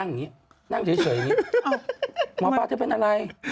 ฉันเกลียดกันชัย